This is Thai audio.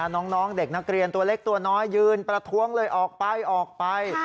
น้องเด็กนักเรียนตัวเล็กตัวน้อยยืนประท้วงเลยออกไปออกไป